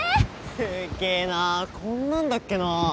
すっげえなあこんなんだっけな。